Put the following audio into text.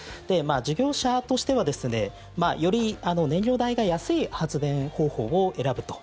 事業者としてはですねより燃料代が安い発電方法を選ぶと。